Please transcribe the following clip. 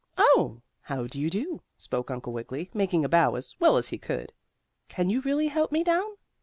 "Oh, how do you do!" spoke Uncle Wiggily, making a bow as well as he could. "Can you really help me down?'